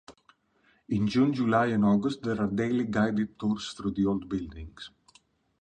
In June, July and August, there are daily guided tours through the old buildings.